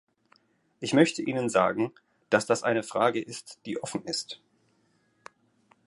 Ich möchte Ihnen sagen, dass das eine Frage ist, die offen ist.